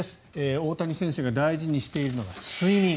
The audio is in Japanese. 大谷選手が大事にしているのが睡眠。